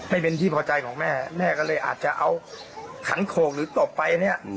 ไม่เป็นที่พอใจของแม่แม่ก็เลยอาจจะเอาขันโขกหรือตบไปเนี่ย